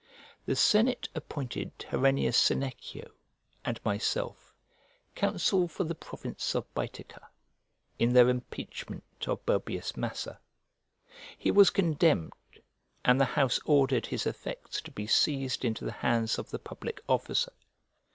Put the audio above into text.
The senate appointed Herennius Senecio, and myself, counsel for the province of Baetica, in their impeachment of Boebius Massa. He was condemned, and the house ordered his effects to be seized into the hands of the public officer.